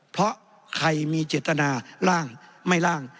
เพราะใครมีเจตนาร่างไม่ล่าง